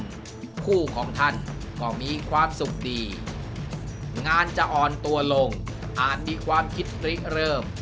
คู่ของท่านก็มีความสุขดีงานจะอ่อนตัวลงอาจมีความคิดริเริ่ม